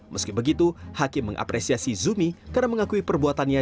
meski begitu hakim mengapresiasi zumi karena mengakui perbuatannya